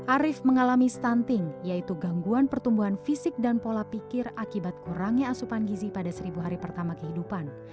arief mengalami stunting yaitu gangguan pertumbuhan fisik dan pola pikir akibat kurangnya asupan gizi pada seribu hari pertama kehidupan